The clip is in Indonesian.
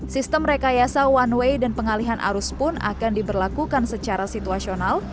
sistem rekayasa one way dan pengalihan arus pun akan diberlakukan secara situasional